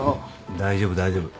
大丈夫大丈夫。